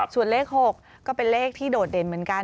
ส่วนเลข๖ก็เป็นเลขที่โดดเด่นเหมือนกัน